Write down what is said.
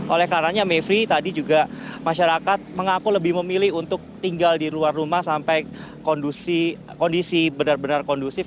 oleh karena mevri tadi juga masyarakat mengaku lebih memilih untuk tinggal di luar rumah sampai kondisi benar benar kondusif